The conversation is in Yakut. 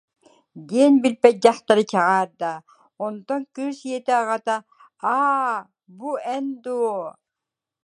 диэн билбэт дьахтара чаҕаарда, оттон кыыс ийэтэ, аҕата, «аа, бу, эн дуо